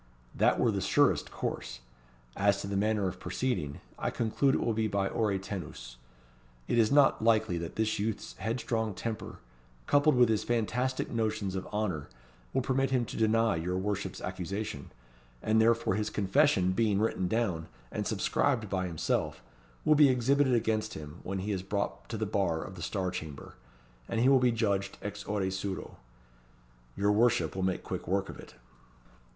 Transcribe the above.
That were the surest course. As to the manner of proceeding, I conclude it will be by Ore tenus. It is not likely that this youth's headstrong temper, coupled with his fantastic notions of honour, will permit him to deny your worship's accusation, and therefore his confession being written down, and subscribed by himself, will be exhibited against him when he is brought to the bar of the Star Chamber, and he will be judged ex ore suo. Your worship will make quick work of it."